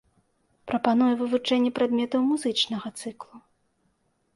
Прапануе вывучэнне прадметаў музычнага цыклу.